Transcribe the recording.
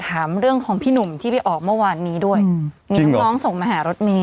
ถามเรื่องของพี่หนุ่มที่ไปออกเมื่อวานนี้ด้วยมีน้องส่งมาหารถเมย